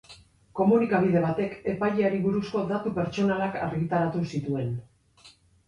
Komunikabide batek epaileari buruzko datu pertsonalak argitaratu zituen.